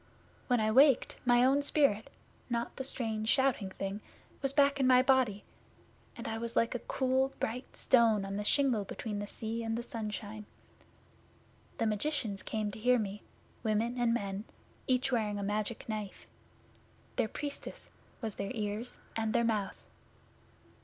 When I waked, my own spirit not the strange, shouting thing was back in my body, and I was like a cool bright stone on the shingle between the sea and the sunshine. The magicians came to hear me women and men each wearing a Magic Knife. Their Priestess was their Ears and their Mouth.